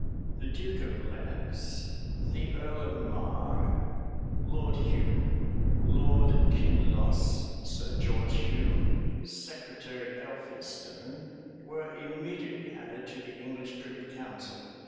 The duke of Lenox, the earl of Marre, Lord Hume, Lord Kinloss, Sir George Hume, Secretary Elphinstone,[] were immediately added to the English privy council.